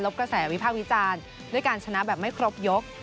กระแสวิพากษ์วิจารณ์ด้วยการชนะแบบไม่ครบยก